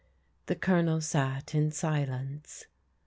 The Colonel sat in silence.